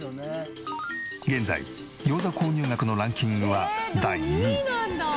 現在餃子購入額のランキングは第２位。